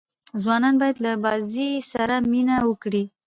ځوانان باید له بازۍ سره مینه وکړي.